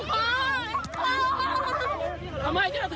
เขามารับหนู